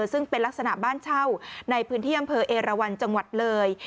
ซึ่งเป็นลักษณะบ้านเช่าในพื้นที่อำเภอเอราวันจังหวัดเลย